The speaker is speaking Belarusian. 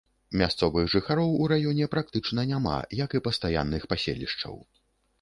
Мясцовых жыхароў у раёне практычна няма, як і пастаянных паселішчаў.